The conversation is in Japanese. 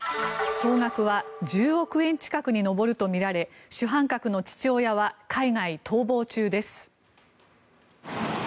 総額は１０億円近くに上るとみられ主犯格の父親は海外逃亡中です。